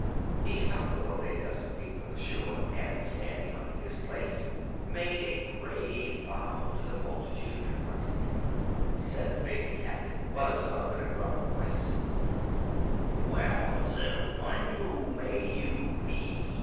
He stopped the boat a dozen feet from the shore, and standing up in his place made a grave bow to the multitude confronting him. Said the big Captain Buzzub in a gruff voice: "Well, little one, who may you be?